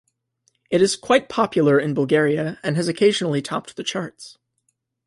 It is quite popular in Bulgaria, and has occasionally topped the charts.